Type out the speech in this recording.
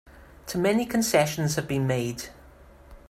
Too many concessions have been made!